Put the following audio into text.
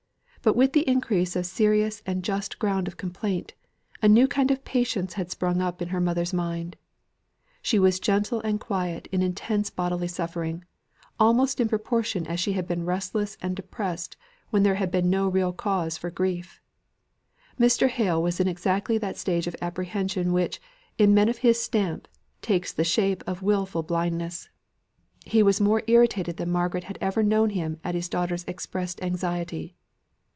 But with the increase of serious and just ground of complaint, a new kind of patience had sprung up in her mother's mind. She was gentle and quiet in intense bodily suffering, almost in proportion as she had been restless and depressed when there had been no real cause for grief. Mr. Hale was in exactly that stage of apprehension which, in men of his stamp, takes the shape of wilful blindness. He was more irritated than Margaret had ever known him at his daughter's expressed anxiety.